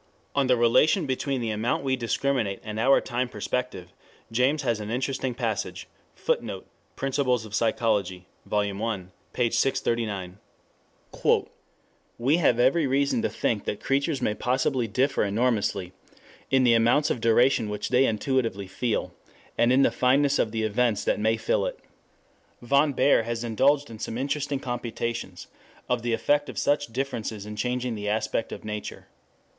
On the relation between the amount we discriminate and our time perspective James has an interesting passage: [Footnote: Op. cit., Vol. I, p. 639.] "We have every reason to think that creatures may possibly differ enormously in the amounts of duration which they intuitively feel, and in the fineness of the events that may fill it. Von Baer has indulged in some interesting computations of the effect of such differences in changing the aspect of Nature.